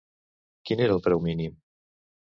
Quin era el preu mínim?